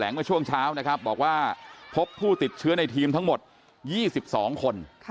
เมื่อช่วงเช้านะครับบอกว่าพบผู้ติดเชื้อในทีมทั้งหมด๒๒คน